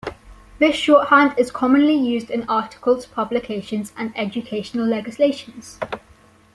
This shorthand is commonly used in articles, publications and educational legislations.